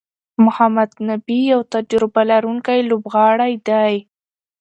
محمد نبي یو تجربه لرونکی لوبغاړی دئ.